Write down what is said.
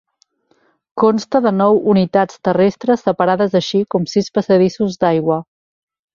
Consta de nou unitats terrestres separades així com sis passadissos d'aigua.